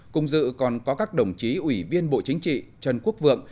cùng dự còn có các đồng chí ủy viên bộ chính trị trần quốc vượng